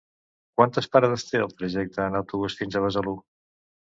Quantes parades té el trajecte en autobús fins a Besalú?